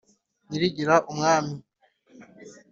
Nyirigira: Umwami